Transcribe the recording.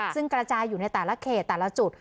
ซึ่งกระจายอยู่ในแต่ละเขตแต่ละจุด